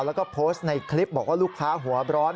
แล้วก็โพสต์ในคลิปบอกว่าลูกค้าหัวร้อน